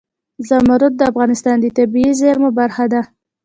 زمرد د افغانستان د طبیعي زیرمو برخه ده.